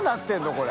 これ。